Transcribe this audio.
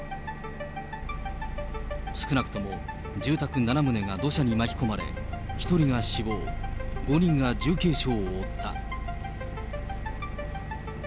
少なくとも住宅７棟が土砂に巻き込まれ、１人が死亡、５人が重軽傷を負った。